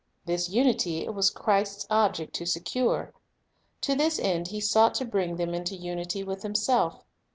This unity it was Christ's object to secure. To this end He sought to bring then} into unity with Himself.